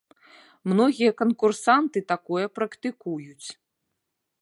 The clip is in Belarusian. Многія канкурсанты такое практыкуюць.